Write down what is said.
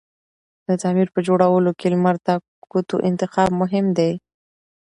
د تعمير په جوړولو کی لمر ته کوتو انتخاب مهم دی